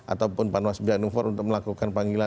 ataupun panwas bianover untuk melakukan panggilan